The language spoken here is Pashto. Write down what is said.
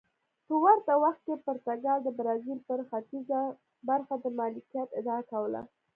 په ورته وخت کې پرتګال د برازیل پر ختیځه برخه د مالکیت ادعا کوله.